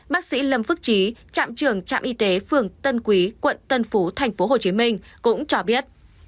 bác sĩ lâm phước trí trạm trưởng trạm y tế phường tân quý quận tân phú tp hcm cũng cho biết